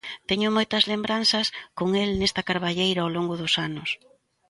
Teño moitas lembranzas con el nesta carballeira ao longo dos anos.